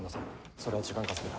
それは時間かせぎだ。